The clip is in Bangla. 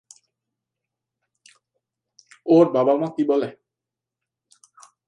ওর বাবা মা কি বলে?